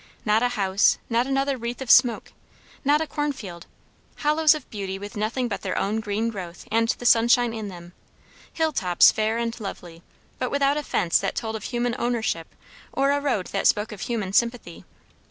Not a house; not another wreath of smoke; not a cornfield; hollows of beauty with nothing but their own green growth and the sunshine in them; hill tops fair and lovely, but without a fence that told of human ownership or a road that spoke of human sympathy.